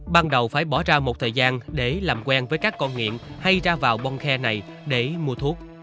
ban đầu phải bỏ ra một thời gian để làm quen với các con nghiện hay ra vào bong khe này để mua thuốc